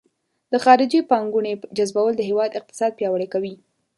د خارجي پانګونې جذبول د هیواد اقتصاد پیاوړی کوي.